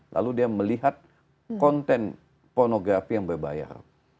lalu dia melihat konten pornografi yang berbayar